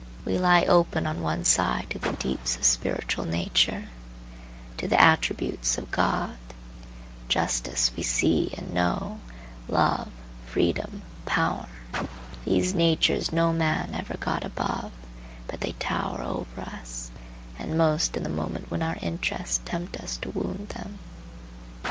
We lie open on one side to the deeps of spiritual nature, to the attributes of God. Justice we see and know, Love, Freedom, Power. These natures no man ever got above, but they tower over us, and most in the moment when our interests tempt us to wound them.